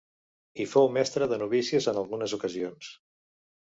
Hi fou mestra de novícies en algunes ocasions.